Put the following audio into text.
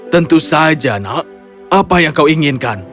tentu saja nak apa yang kau inginkan